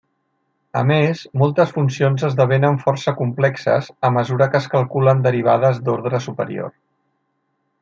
A més, moltes funcions esdevenen força complexes a mesura que es calculen derivades d'ordre superior.